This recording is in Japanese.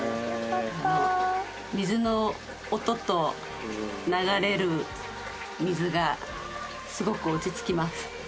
水の音と流れる水がすごく落ち着きます。